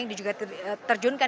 yang juga terjunkan